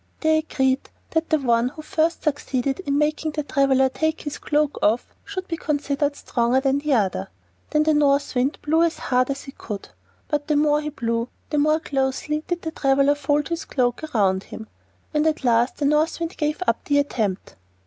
They agreed that the one who first succeeded in making the traveler take his cloak off should be considered stronger than the other. Then the North Wind blew as hard as he could, but the more he blew the more closely did the traveler fold his cloak around him; and at last the North Wind gave up the attempt.